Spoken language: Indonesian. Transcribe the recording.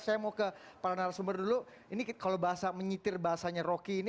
saya mau ke para narasumber dulu ini kalau menyitir bahasanya rocky ini